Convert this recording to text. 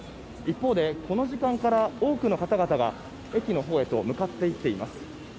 一方でこの時間から多くの方々が駅のほうへと向かっていっています。